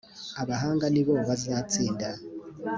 abahanga nibo bazatsinda.